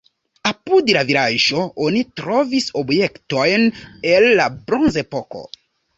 Apud la vilaĝo oni trovis objektojn el la bronzepoko.